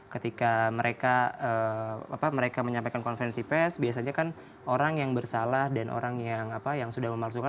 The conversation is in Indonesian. ketika mereka menyampaikan konferensi pes biasanya kan orang yang bersalah dan orang yang sudah memalsukan